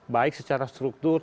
baik secara struktur